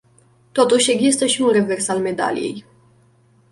Totuși, există și un revers al medaliei.